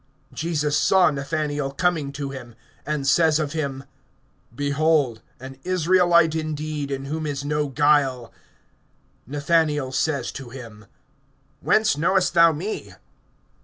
(47)Jesus saw Nathanael coming to him, and says of him: Behold an Israelite indeed, in whom is no guile! (48)Nathanael says to him: Whence knowest thou me?